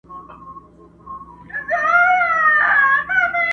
تور نصيب يې كړل په برخه دوږخونه؛؛!